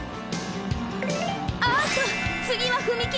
あっとつぎは踏切！